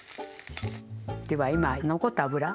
では今残った脂。